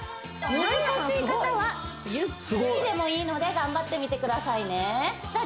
難しい方はゆっくりでもいいので頑張ってみてくださいねじゃ